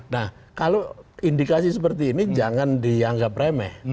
nah kalau indikasi seperti ini jangan dianggap remeh